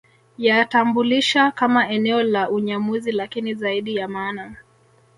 Yatambulisha kama eneo la Unyamwezi lakini zaidi ya maana